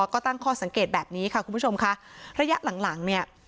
ก็ตั้งข้อสังเกตแบบนี้ค่ะคุณผู้ชมค่ะระยะหลังหลังเนี่ย